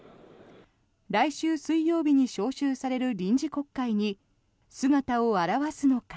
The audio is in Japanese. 来週水曜日に召集される臨時国会に姿を現すのか。